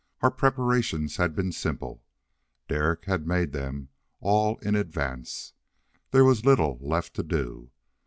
Our preparations had been simple: Derek had made them all in advance. There was little left to do.